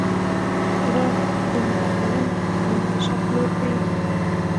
را د متکلم لومړی شخص لوری ښيي.